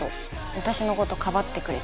私の事かばってくれて。